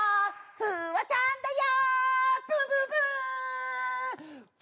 フワちゃんだよ！